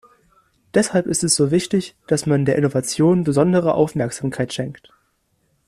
Deshalb ist es so wichtig, dass man der Innovation besondere Aufmerksamkeit schenkt.